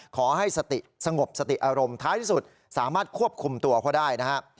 ขอให้สติสงบสติอารมณ์ท้ายที่สุดสามารถควบคุมตัวเขาได้นะครับ